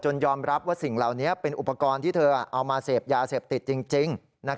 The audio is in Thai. ยอมรับว่าสิ่งเหล่านี้เป็นอุปกรณ์ที่เธอเอามาเสพยาเสพติดจริง